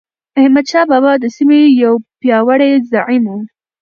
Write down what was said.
احمدشاه بابا د سیمې یو پیاوړی زعیم و.